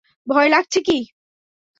ভয় লাগছে কি?